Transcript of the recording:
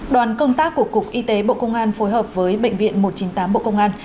đoàn công tác của cục y tế bộ công an phối hợp với bệnh viện một trăm chín mươi tám bộ công an